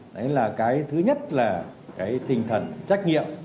đấy là cái thứ nhất là cái tinh thần trách nhiệm